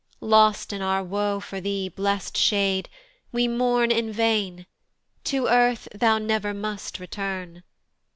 Lost in our woe for thee, blest shade, we mourn In vain; to earth thou never must return.